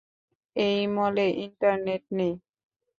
এই মলে ইন্টারনেট নেই?